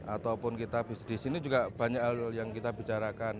ataupun kita di sini juga banyak hal yang kita bicarakan